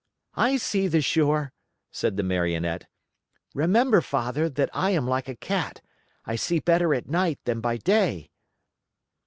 "I see the shore," said the Marionette. "Remember, Father, that I am like a cat. I see better at night than by day."